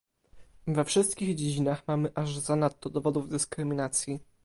We wszystkich dziedzinach mamy aż zanadto dowodów dyskryminacji